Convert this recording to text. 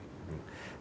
tadi kata kata menjaga